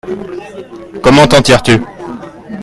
Comment t'en tires-tu ?